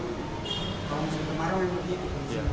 kalau musim kemaru yang berarti itu